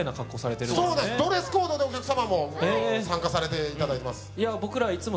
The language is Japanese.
ドレスコードでお客様も参加されていただいてます